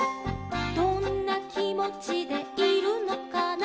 「どんなきもちでいるのかな」